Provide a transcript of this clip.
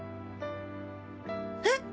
えっ！